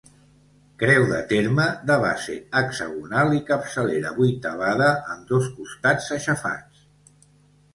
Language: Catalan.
Creu de terme de base hexagonal i capçalera vuitavada amb dos costats aixafats.